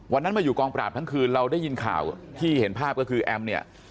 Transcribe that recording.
มาอยู่กองปราบทั้งคืนเราได้ยินข่าวที่เห็นภาพก็คือแอมเนี่ย